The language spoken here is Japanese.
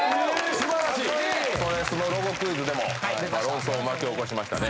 素晴らしいそれスノロゴクイズでも論争を巻き起こしましたね